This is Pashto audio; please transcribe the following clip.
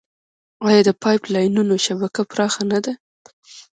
آیا د پایپ لاینونو شبکه پراخه نه ده؟